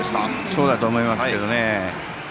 そうだと思いますけどね。